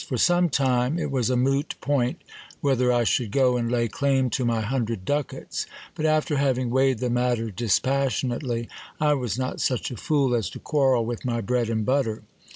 For some time it was a moot point whether I should go and lay claim to my hundred ducats ; but after having weighed the matter dispassionately, I was not such a fool as to quarrel with my bread and butter.